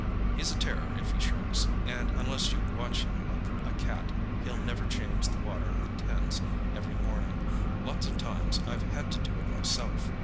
He's a terror if he shirks, and unless you watch him like a cat he'll never change the water in the tins every morning. Lots of times I've had to do it myself!"